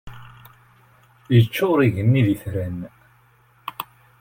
Yeččur yigenni d itran.